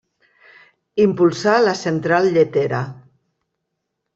Impulsà la Central Lletera.